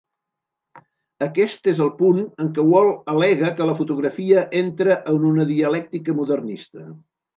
Aquest és el punt en què Wall al·lega que la fotografia entra en una "dialèctica modernista".